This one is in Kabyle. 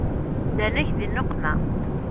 Ddan-ak di nneqma.